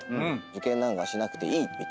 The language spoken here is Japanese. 受験なんかしなくていい。